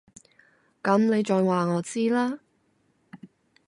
噉你再話我知啦